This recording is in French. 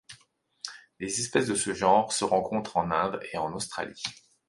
Les espèces de ce genre se rencontrent en Inde et en Australie.